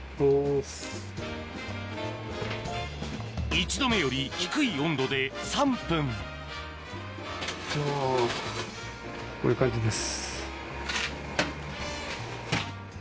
１度目より低い温度で３分こういう感じです。